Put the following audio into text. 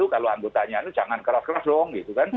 kalau anggotanya itu jangan keras keras dong